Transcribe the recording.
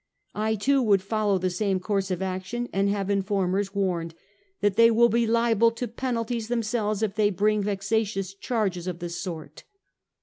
I too would follow the same course of action, and have informers warned that they will be liable to penalties themselves if they bring vexatious charges of the sort.